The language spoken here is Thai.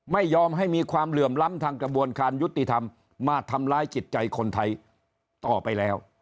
ไม่ยอมให้มีความเหลื่อมล้ำทางกระบวนการยุติธรรมมาทำร้ายจิตใจคนไทยต่อไปแล้ว